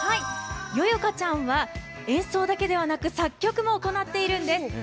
ＹＯＹＯＫＡちゃんは演奏だけではなく作曲も行っているんです。